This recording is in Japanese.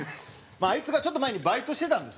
あいつがちょっと前にバイトしてたんですよね。